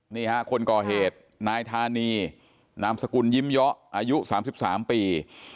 นี่ฮะคนก่อเหตุนายธานีนามสกุลยิ้มเยาะอายุ๓๓ปี